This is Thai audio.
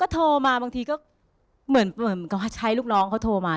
โทรมาบางทีก็เหมือนกับว่าใช้ลูกน้องเขาโทรมา